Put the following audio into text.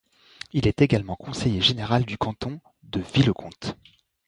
Il est également conseiller général du canton de Vic-le-Comte.